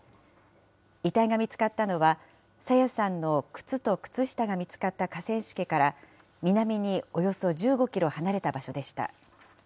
遺体が見つかったのは、朝芽さんの靴と靴下が見つかった河川敷から、南におよそ１５キロ離れた場所でした。